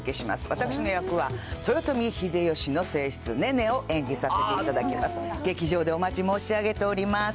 私の役は豊臣秀吉の正室、寧々を演じさせていただきます。